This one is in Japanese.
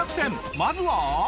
まずは。